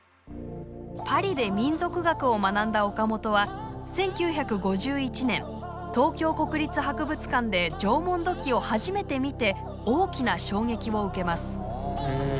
パリで民族学を学んだ岡本は１９５１年東京国立博物館で縄文土器を初めて見て大きな衝撃を受けます。